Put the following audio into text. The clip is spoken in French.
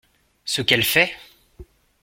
Ce qu'elle fait !